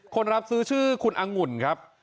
คนรับซื้อชื่อคุณอังุ่นครับ